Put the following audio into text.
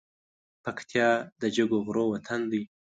پکتيا د جګو غرو وطن دی